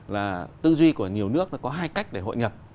là tư duy của nhiều nước có hai cách để hội nhập